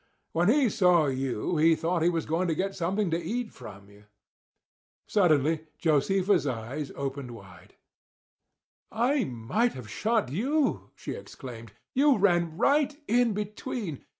When he saw you he thought he was going to get something to eat from you." Suddenly Josefa's eyes opened wide. "I might have shot you!" she exclaimed. "You ran right in between.